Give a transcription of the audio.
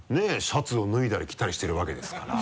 シャツを脱いだり着たりしてるわけですから。